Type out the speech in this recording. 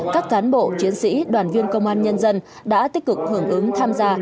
các cán bộ chiến sĩ đoàn viên công an nhân dân đã tích cực hưởng ứng tham gia